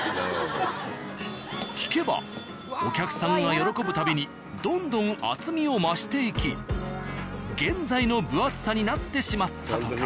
聞けばお客さんが喜ぶ度にどんどん厚みを増していき現在の分厚さになってしまったとか。